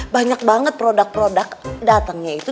banyak banget produk produk datangnya itu